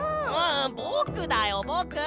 んぼくだよぼく！